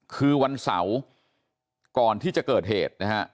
คือวันเสาร์ก่อนที่จะเกิดเหตุนะฮะ